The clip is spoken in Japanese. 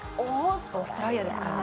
オーストラリアですからね。